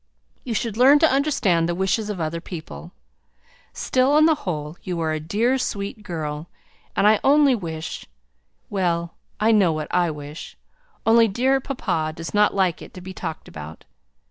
You should learn to understand the wishes of other people. Still, on the whole, you are a dear, sweet girl, and I only wish well, I know what I wish; only dear papa does not like it to be talked about.